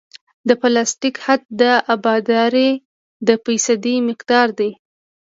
د پلاستیک حد د ابدارۍ د فیصدي مقدار دی